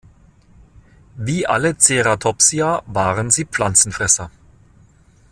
Wie alle Ceratopsia waren sie Pflanzenfresser.